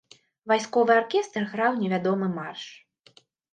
Вайсковы аркестр граў невядомы марш.